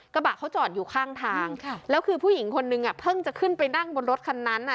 กระบะเขาจอดอยู่ข้างทางแล้วคือผู้หญิงคนนึงอ่ะเพิ่งจะขึ้นไปนั่งบนรถคันนั้นอ่ะ